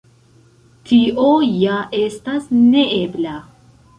Tio ja estas neebla.